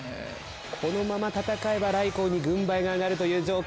このまま戦えばライコウに軍配が上がるという状況。